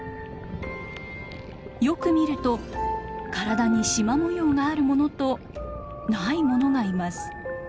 よく見ると体にしま模様があるものとないものがいます。